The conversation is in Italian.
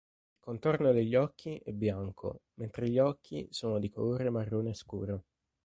Il contorno degli occhi è bianco mentre gli occhi sono di colore marrone scuro.